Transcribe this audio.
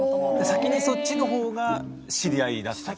先にそっちの方が知り合いだった。